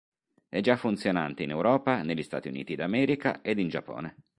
È già funzionante in Europa, negli Stati Uniti d'America, ed in Giappone.